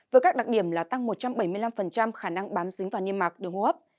với các đặc điểm là tăng một trăm bảy mươi năm khả năng bám dính vào niêm mạc đường hô hấp